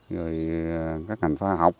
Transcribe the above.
rồi các ngành pha học